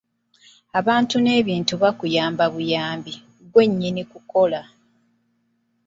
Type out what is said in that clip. Abantu n'ebintu bakuyamba buyambi, ggwe nnyini kukola.